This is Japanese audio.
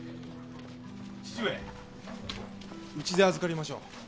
義父上うちで預かりましょう。